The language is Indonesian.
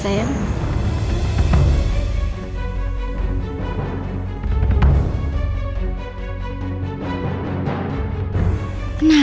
jadi mereka juga sudah berusaha